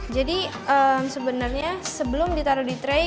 sebenarnya sebelum ditaruh di tray